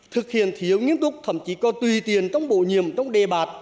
thực hiện thiếu nghiêm túc thậm chí còn tùy tiền trong bộ nhiệm trong đề bạt